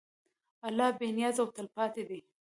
الله بېنیاز او تلپاتې دی.